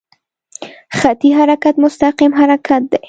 خطي حرکت مستقیم حرکت دی.